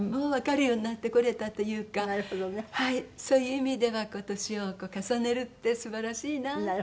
そういう意味では年を重ねるって素晴らしいなってそう思います。